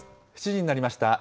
７時になりました。